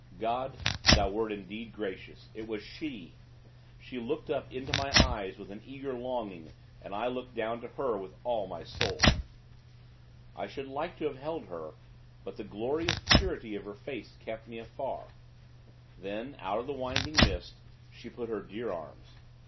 God, Thou wert indeed gracious it was She! She looked up into my eyes, with an eager longing, and I looked down to her, with all my soul. I should like to have held her; but the glorious purity of her face, kept me afar. Then, out of the winding mist, she put her dear arms.